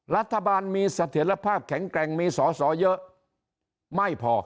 รัฐบาลมีเสถียรภาพแข็งแกร่งมีสอสอเยอะไม่พอ